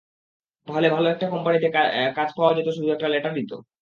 তাহলে ভালো একটা কোম্পানিতে কাজ পাওয়া যেতো শুধু একটা লেটারইতো?